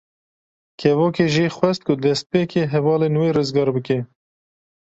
Kevokê jê xwest ku destpêkê hevalên wê rizgar bike.